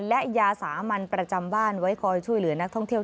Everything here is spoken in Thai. และยาสามัญประจำบ้านไว้คอยช่วยเหลือนักท่องเที่ยว